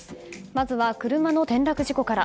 まずは車の転落事故から。